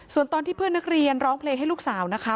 ส่วนตอนที่เพื่อนนักเรียนร้องเพลงให้ลูกสาวนะคะ